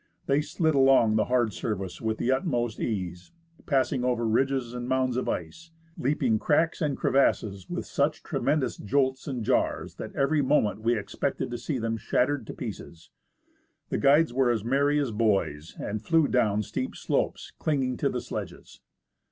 They slid along the hard surface with the utmost ease, passing over ridges and mounds of ice, leaping cracks and crevasses with such tremendous jolts and jars, that every moment we expected to see them shattered to pieces. The guides were as merry as boys, and flew down steep slopes clinging to the sledges.